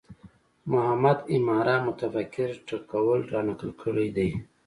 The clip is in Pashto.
محمد عماره متفکر ټکول رانقل کړی دی